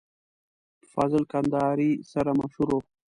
په فاضل کندهاري سره مشهور و.